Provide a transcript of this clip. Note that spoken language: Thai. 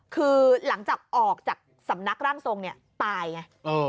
คือหลังจากออกจากสำนักร่างทรงเนี่ยตายไง